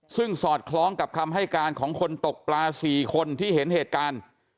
ซึ่งสอดคล้องกับคำให้การของคนตกปลา๔คนที่เห็นเหตุการณ์